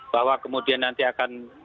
bahwa kemudian nanti akan